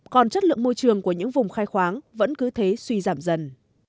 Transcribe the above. còn chất lượng môi trường của những vùng khai khoáng vẫn cứ thế suy giảm dần